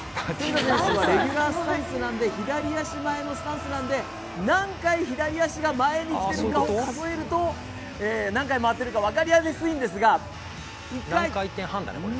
レギュラースタンスなんで左足前のスタンスなんで何回左足が前に来てるかを数えると、何回、回っているか分かりやすいんですが。